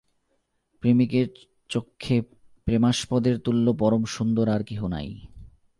প্রেমিকের চক্ষে প্রেমাস্পদের তুল্য পরম সুন্দর আর কেহ নাই।